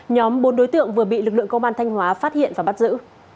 nhóm bốn đối tượng vừa bị lực lượng công an thanh hóa phát hiện và bắt giữ